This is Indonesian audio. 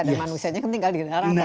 dan manusianya tinggal di darat